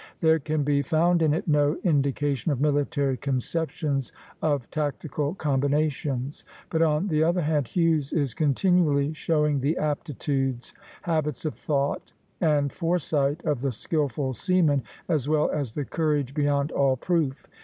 There can be found in it no indication of military conceptions, of tactical combinations; but on the other hand Hughes is continually showing the aptitudes, habits of thought, and foresight of the skilful seaman, as well as a courage beyond all proof.